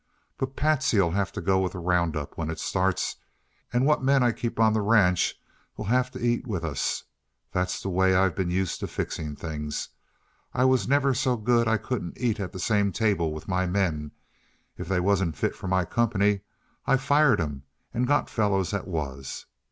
But Patsy'll have to go with the round up when it starts, and what men I keep on the ranch will have to eat with us. That's the way I've been used to fixing things; I was never so good I couldn't eat at the same table with my men; if they wasn't fit for my company I fired 'em and got fellows that was.